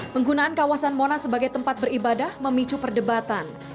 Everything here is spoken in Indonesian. penggunaan kawasan monas sebagai tempat beribadah memicu perdebatan